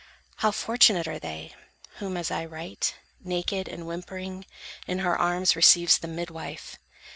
How fortunate are they, whom, as I write, Naked and whimpering, in her arms receives The midwife!